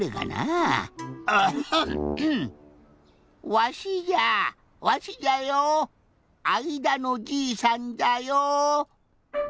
「わしじゃわしじゃよあいだのじいさんじゃよ」。